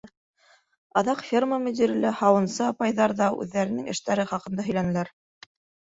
Аҙаҡ ферма мөдире лә, һауынсы апайҙар ҙа үҙҙәренең эштәре хаҡында һөйләнеләр.